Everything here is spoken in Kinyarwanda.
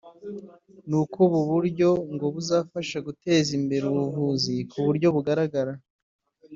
ni uko ubu buryo ngo buzafasha guteza imbere ubuvuzi kuburyo bugaragara